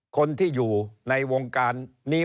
คนที่อยู่ในวงการนี้